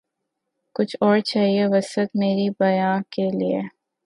کچھ اور چاہیے وسعت مرے بیاں کے لیے